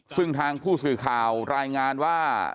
ซึ่งทางผู้สื่อข่าวรายงานว่า